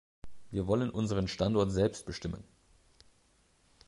Wir wollen unseren Standort selbst bestimmen.